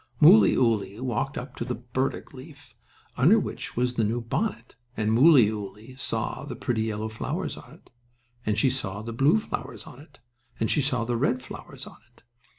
Mooleyooly walked up to the burdock leaf, under which was the new bonnet, and Mooleyooly saw the pretty yellow flowers on it, and she saw the blue flowers on it and she saw the red flowers on it.